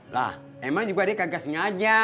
lah emang juga dia kagak sengaja